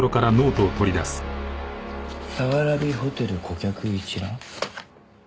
「早蕨ホテル顧客一覧」？